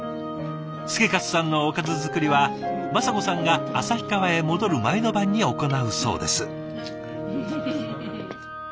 祐勝さんのおかず作りは雅子さんが旭川へ戻る前の晩に行うそうです。